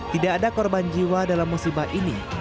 tidak ada korban jiwa dalam musibah ini